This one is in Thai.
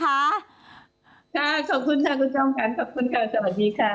ค่ะขอบคุณค่ะคุณชมกันขอบคุณค่ะสวัสดีค่ะ